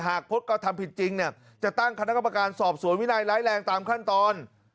หากพบก็ทำผิดจริงจะตั้งคณะกรรมการสอบสวนวินัยไร้แรงตามขั้นตอน